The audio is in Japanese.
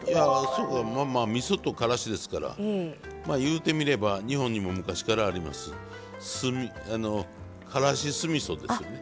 まあまあみそとからしですからまあいうてみれば日本にも昔からありますからし酢みそですよね。